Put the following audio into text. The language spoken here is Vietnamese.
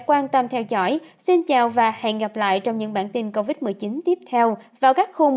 quan tâm theo dõi xin chào và hẹn gặp lại trong những bản tin covid một mươi chín tiếp theo vào các khung một mươi hai h